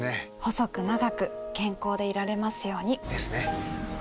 細く長く健康でいられますように。ですね。